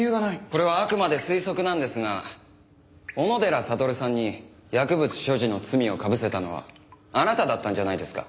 これはあくまで推測なんですが小野寺悟さんに薬物所持の罪をかぶせたのはあなただったんじゃないですか？